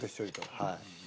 はい。